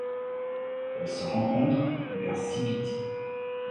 Elle se rencontre vers Sibiti.